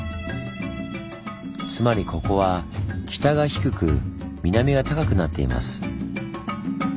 つまりここは北が低く南が高くなっています。